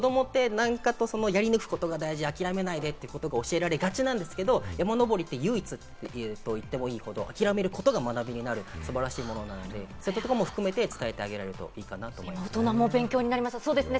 子どもって、やり抜くことが大事、諦めないでって教えられがちですけれども、山登りって唯一と言ってもいいほど諦めることが学びになる素晴らしいものなので、そういうところも含めて伝えてあげられるといい大人も勉強になりますね。